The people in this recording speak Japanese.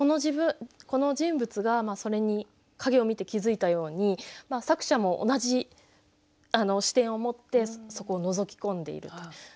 この人物が影を見て気付いたように作者も同じ視点を持ってそこをのぞき込んでいると。